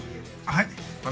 はい？